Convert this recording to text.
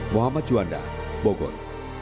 muhammad juanda bogor